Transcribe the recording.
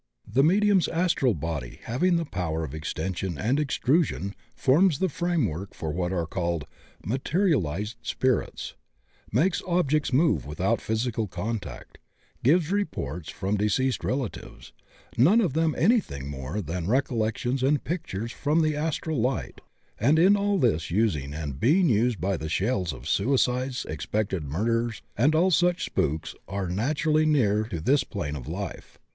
The medium's astral body having the power of extension and extrusion forms the framework for what are called "materialized spirits," makes objects move without physical contact, gives reports from de ceased relatives, none of them anything more than rec ollections and pictures from the astral light, and in all this using and being used by the shells of suicides, executed murderers, and all such spooks as are natu rally near to this plane of life.